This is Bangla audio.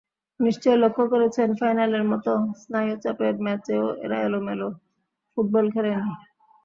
নিশ্চয়ই লক্ষ করেছেন, ফাইনালের মতো স্নায়ুচাপের ম্যাচেও ওরা এলোমেলো ফুটবল খেলেনি।